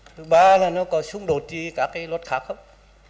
thứ ba là nó có xung đột đi các cái luật khác không